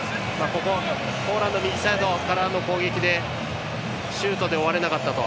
ポーランドの右サイドからの攻撃でシュートで終われなかった。